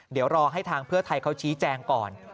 เดี๋ยวรอให้ทางเพื่อไทยเขาชี้แจงก่อน